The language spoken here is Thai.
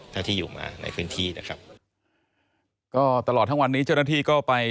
ถ้าที่อยู่มาในพื้นที่นะครับก็ตลอดทั้งวันนี้เจ้าหน้าที่ก็ไป